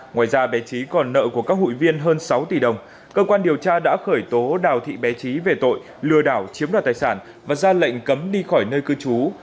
ngoài ra bé trí còn nợ của các hụi viên hơn sáu tỷ đồng cơ quan điều tra đã khởi tố đào thị bé trí về tội lừa đảo chiếm đoạt tài sản và ra lệnh cấm đi khỏi nơi cư trú